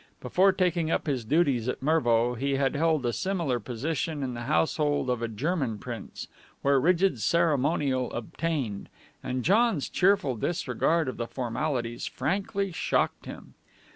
Before taking up his duties at Mervo, he had held a similar position in the household of a German prince, where rigid ceremonial obtained, and John's cheerful disregard of the formalities frankly shocked him.